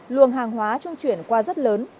luồng hàng hóa trung chuyển qua rất lớn